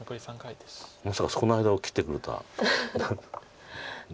まさかそこの間を切ってくるとは。